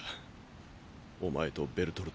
お前とベルトルトに。